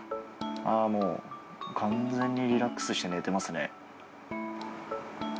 あっ、もう完全にリラックスして寝てますね。